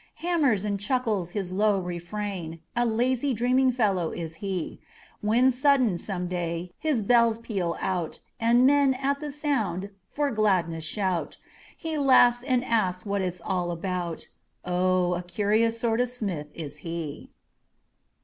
Hammers and chuckles his low refrain, A lazy, dreaming fellow is he: When sudden, some day, his bells peal out, And men, at the sound, for gladness shout; He laughs and asks what it's all about; Oh, a curious sort of smith is he.